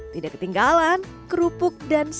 tidak ketinggalan kerupuk dan sayur